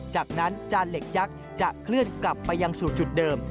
จากนั้นจานเหล็กยักษ์จะเคลื่อนกลับไปยังสู่จุดเดิม